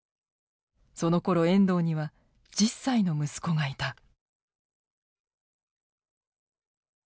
そのころ遠藤には１０歳の息子がいた。